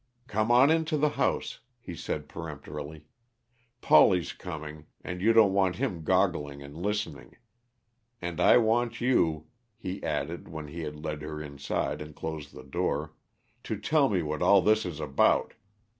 "Come on into the house," he said peremptorily. "Polly's coming, and you don't want him goggling and listening. And I want you," he added, when he had led her inside and closed the door, "to tell me what all this is about.